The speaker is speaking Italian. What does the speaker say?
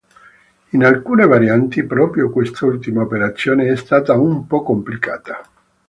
In alcune varianti, proprio quest'ultima operazione è stata un po' complicata.